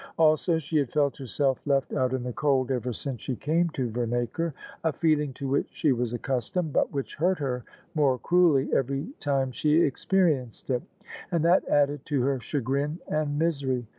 Also she had felt herself left out in the cold ever since she came to Vernacre — a feeling to which she was accustomed, but which hurt her more cruelly every time she experienced it: and that added to her chagrin and misery.